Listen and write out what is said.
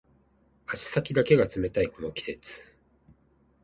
足先だけが冷たいこの季節